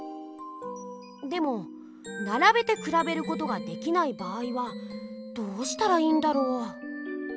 でもならべてくらべることができない場合はどうしたらいいんだろう？